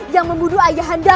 yang membunuh ayah anda